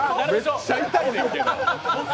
めっちゃ痛いねんけど！